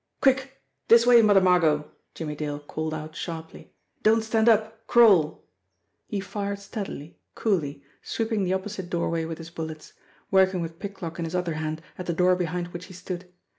"Quick! This way, Mother Margot." Jimmie Dale called out sharply. "Don't stand up ! Crawl 1" He fired steadily, coolly, sweeping the opposite doorway with his bullets working with pick lock in his other hand at the door behind which he stood.